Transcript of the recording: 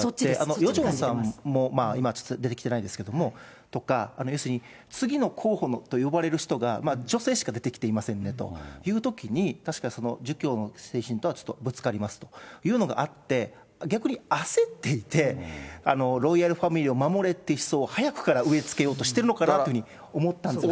ヨジョンさんも出てきてないんですが、要するに、次の候補と呼ばれる人が、女性しか出てきていませんねというときに、確かその儒教の精神とはちょっとぶつかりますというのがあって、逆に焦っていて、ロイヤルファミリーを守れという思想を早くから植えつけようとしているのかなとふうに思ったんですよね。